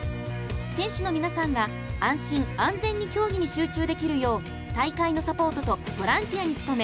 選手の皆さんが安心・安全に競技に集中できるよう大会のサポートとボランティアに努め